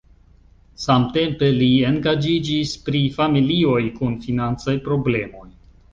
Samtempe li engaĝiĝis pri familioj kun financaj problemoj.